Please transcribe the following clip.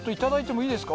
いいですか？